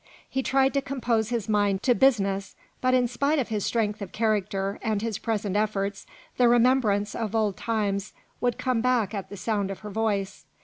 He tried to compose his mind to business, but in spite of his strength of character, and his present efforts, the remembrance of old times would come back at the sound of her voice.